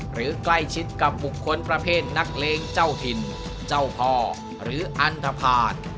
หรือใกล้ชิดกับบุคคลประเภทนักเลงเจ้าถิ่นเจ้าพ่อหรืออันทภาษณ์